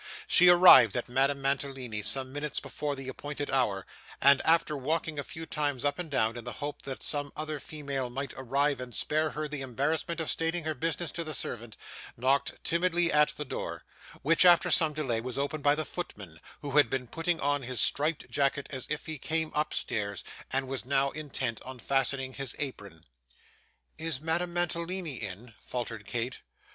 She arrived at Madame Mantalini's some minutes before the appointed hour, and after walking a few times up and down, in the hope that some other female might arrive and spare her the embarrassment of stating her business to the servant, knocked timidly at the door: which, after some delay, was opened by the footman, who had been putting on his striped jacket as he came upstairs, and was now intent on fastening his apron. 'Is Madame Mantalini in?' faltered Kate.